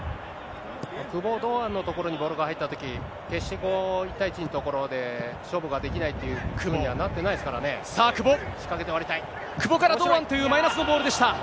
久保、堂安の所にボールが入ったとき、決して１対１のところで勝負ができないというふうにはなってないですからね。